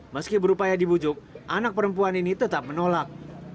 meski berupaya dibujuk anak perempuan ini tetap menolak